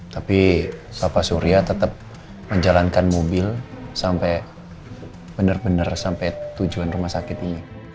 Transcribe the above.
tapi bapak surya tetap menjalankan mobil sampai benar benar sampai tujuan rumah sakit ini